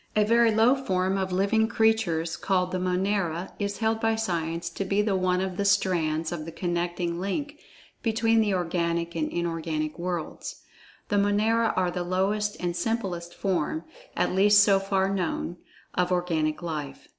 A very low form of living creatures called the Monera, is held by Science to be the one of the strands of the connecting link between the organic and inorganic worlds. The Monera are the lowest and simplest form (at least so far known) of organic life.